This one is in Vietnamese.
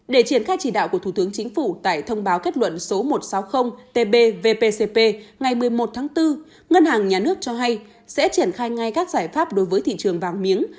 để triển khai chỉ đạo của thủ tướng chính phủ tại thông báo kết luận số một trăm sáu mươi tb vpcp ngày một mươi một tháng bốn ngân hàng nhà nước cho hay sẽ triển khai ngay các giải pháp đối với thị trường vàng miếng